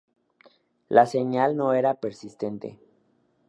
La señal no era persistente.